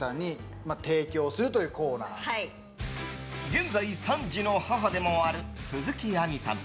現在３児の母でもある鈴木亜美さん。